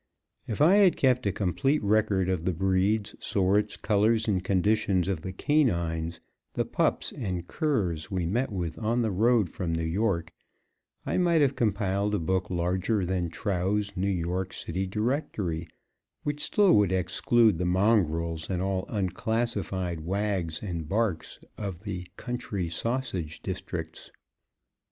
If I had kept a complete record of the breeds, sorts, colors, and conditions of the canines, the pups and curs we met with on the road from New York, I might have compiled a book larger than Trow's New York City Directory, which still would exclude the mongrels and all unclassified "wags" and "barks" of the country sausage districts.